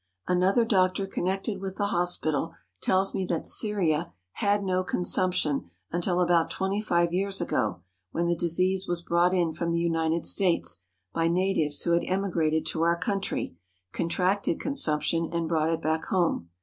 Another doctor connected with the hospital tells me that Syria had no consumption until about twenty five years ago, when the disease was brought in from the United States by natives who had emigrated to our country, contracted consumption, and brought it back home.